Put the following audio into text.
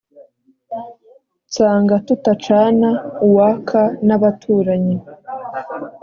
nsanga tutacana uwaka n'abaturanyi